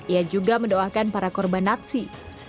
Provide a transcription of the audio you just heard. ia juga mendoakan para korban natsi